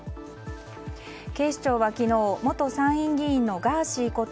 警視庁は昨日、元参院議員のガーシーこと